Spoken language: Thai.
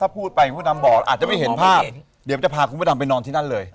บอกว่าอาจจะไม่เห็นภาพเดี๋ยวจะพาคุณพระดำไปนอนที่นั่นเลย